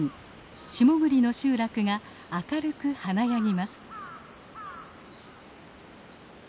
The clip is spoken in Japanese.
下栗の集落が明るく華やぎます。